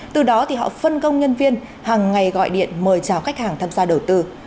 từ đó họ phân công nhân viên hàng ngày gọi điện mời chào khách hàng tham gia đầu tư